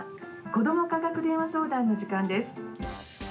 「子ども科学電話相談」の時間です。